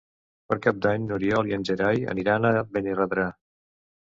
Per Cap d'Any n'Oriol i en Gerai aniran a Benirredrà.